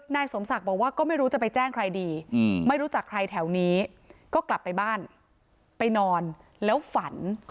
นายสมศักดิ์บอกว่าก็ไม่รู้จะไปแจ้งใครดีไม่รู้จักใครแถวนี้ก็กลับไปบ้านไปนอนแล้วฝัน